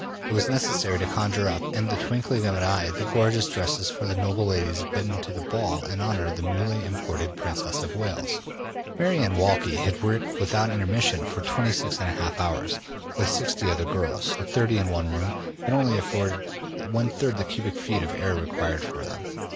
It was necessary to conjure up in the twinkling of an eye the gorgeous dresses for the noble ladies bidden to the ball in honor of the newly imported Princess of Wales. Mary Anne Walkley had worked without intermission for 26 1/2 hours, with 60 other girls, 30 in one room, that only afforded 1/3 of the cubic feet of air required for them.